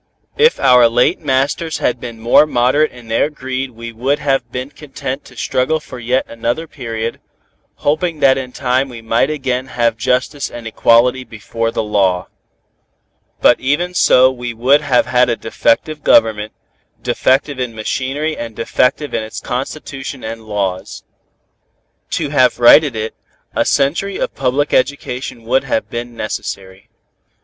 If our late masters had been more moderate in their greed we would have been content to struggle for yet another period, hoping that in time we might again have justice and equality before the law. But even so we would have had a defective Government, defective in machinery and defective in its constitution and laws. To have righted it, a century of public education would have been necessary.